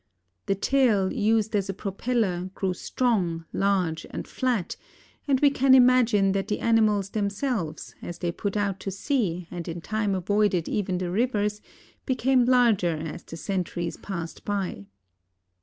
The tail, used as a propeller, grew strong, large and flat, and we can imagine that the animals themselves, as they put out to sea and in time avoided even the rivers, became larger as the centuries passed by.